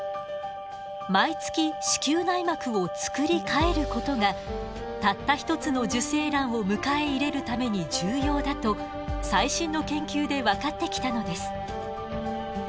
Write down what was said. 毎月子宮内膜を作り変えることがたった一つの受精卵を迎え入れるために重要だと最新の研究で分かってきたのです。